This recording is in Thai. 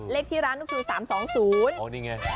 เลขที่ร้านนั่นคือ๓๒๐